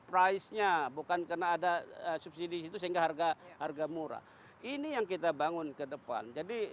price nya bukan karena ada subsidi itu sehingga harga harga murah ini yang kita bangun ke depan jadi